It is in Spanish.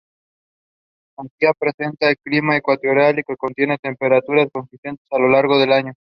Apia presenta un clima ecuatorial con temperaturas consistentes a lo largo del año.